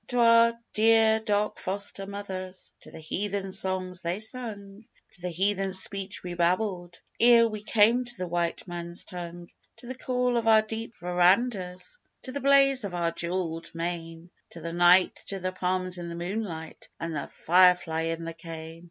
To our dear dark foster mothers, To the heathen songs they sung To the heathen speech we babbled Ere we came to the white man's tongue. To the cool of our deep verandas To the blaze of our jewelled main, To the night, to the palms in the moonlight, And the fire fly in the cane!